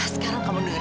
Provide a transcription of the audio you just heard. sekarang kamu dengar